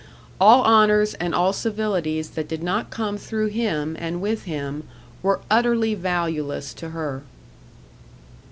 All honours and all civilities that did not come through him, and with him, were utterly valueless to her.